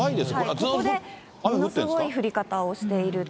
ここでものすごい降り方をしていると。